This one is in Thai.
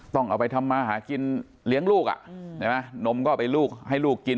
ต้องเอาไปทำมาหากินเลี้ยงลูกอ่ะใช่ไหมนมก็เอาไปลูกให้ลูกกิน